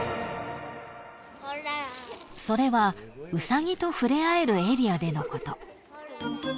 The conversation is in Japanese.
［それはウサギと触れ合えるエリアでのこと］